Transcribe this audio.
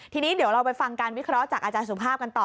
ทีนี้เดี๋ยวเราไปฟังการวิเคราะห์จากอาจารย์สุภาพกันต่อ